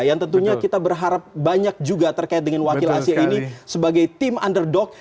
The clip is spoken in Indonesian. yang tentunya kita berharap banyak juga terkait dengan wakil asia ini sebagai tim underdog